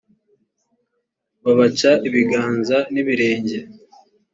babaca ibiganza n ibirenge